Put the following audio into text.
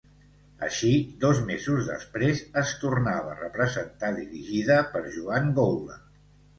Així, dos mesos després es tornava a representar dirigida per Joan Goula.